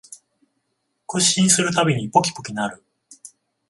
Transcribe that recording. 屈伸するたびにポキポキ鳴る